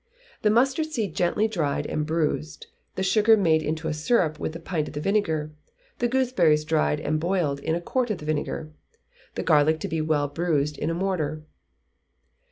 The mustard seed gently dried and bruised; the sugar made into a syrup with a pint of the vinegar; the gooseberries dried and boiled in a quart of the vinegar; the garlic to be well bruised in a mortar.